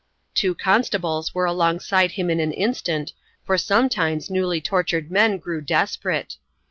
Two constables were alongside him in an instant, for sometimes newly tortured men grew desperate.